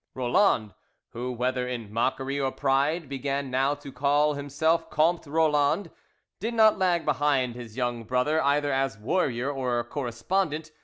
Roland, who, whether in mockery or pride, began now to call himself "Comte Roland," did not lag behind his young brother either as warrior or correspondent.